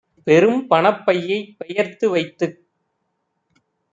பெரும்பணப் பையைப் பெயர்த்து வைத்துக்